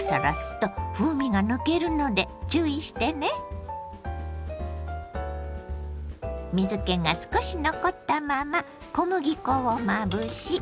水けが少し残ったまま小麦粉をまぶし衣にします。